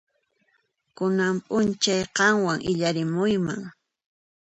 Kunan p'unchay qanwan illarimuyman.